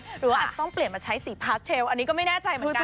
หรือว่าอาจจะต้องเปลี่ยนมาใช้สีพาสเทลอันนี้ก็ไม่แน่ใจเหมือนกัน